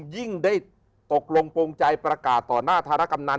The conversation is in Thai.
ยิ่งได้ตกลงโปรงใจประกาศต่อหน้าธารกำนัน